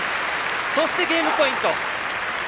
そして、ゲームポイント。